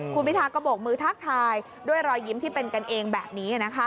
คุณพิทาก็โบกมือทักทายด้วยรอยยิ้มที่เป็นกันเองแบบนี้